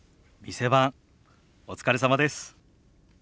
店番お疲れさまです。